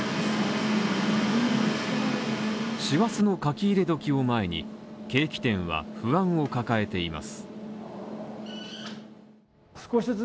師走の書き入れ時を前にケーキ店は不安を抱えています。